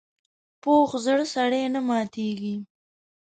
پوخ زړه سړي نه ماتېږي